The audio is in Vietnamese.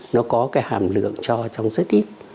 nó có cái hàm lượng cho trong rất ít